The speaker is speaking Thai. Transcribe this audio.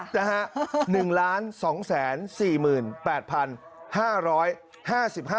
ชอบมากค่ะ